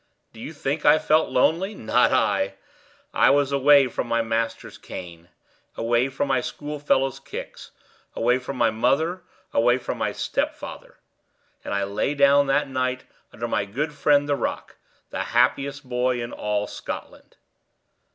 Do you think I felt lonely? Not I! I was away from the master's cane, away from my schoolfellows' kicks, away from my mother, away from my stepfather; and I lay down that night under my good friend the rock, the happiest boy in all Scotland!"